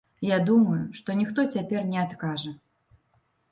Я думаю, што ніхто цяпер не адкажа.